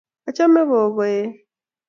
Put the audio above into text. achame gogoe